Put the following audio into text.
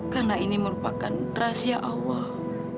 karena ini merupakan rahasia awal